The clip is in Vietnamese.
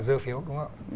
dơ phiếu đúng không ạ